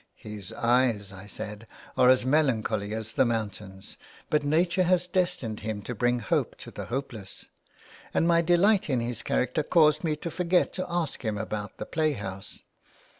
"His eyes," I said, "are as melancholy as the mountains, but nature has destined him to bring hope to the hopeless,'* and my delight in his character caused me to forget to ask him about the play house.